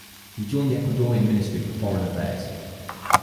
He joined the Ecuadorian Ministry for Foreign Affairs.